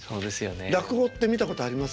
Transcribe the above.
落語って見たことあります？